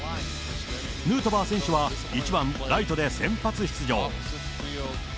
ヌートバー選手は１番ライトで先発出場。